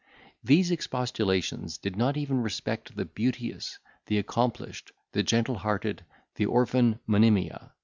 These expostulations did not even respect the beauteous, the accomplished, the gentle hearted, the orphan Monimia.